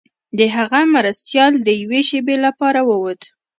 د هغه مرستیال د یوې شیبې لپاره ووت.